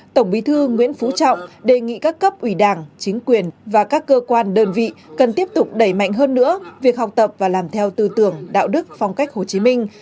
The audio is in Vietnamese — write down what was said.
tổng bí thư nguyễn phú trọng đề nghị các cấp ủy đảng chính quyền và các cơ quan đơn vị cần tiếp tục đẩy mạnh hơn nữa việc học tập và làm theo tư tưởng đạo đức phong cách hồ chí minh